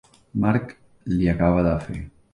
Marc li acabava de fer.